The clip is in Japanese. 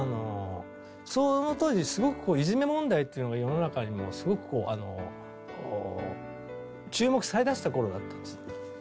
その当時すごくいじめ問題っていうのが世の中にもすごくこう注目されだしたころだったんです。